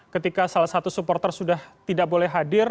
ketika salah satu supporter sudah tidak boleh hadir